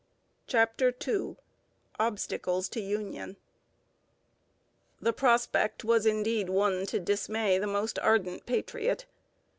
CHAPTER II OBSTACLES TO UNION The prospect was indeed one to dismay the most ardent patriot.